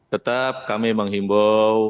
tetap kami menghimbau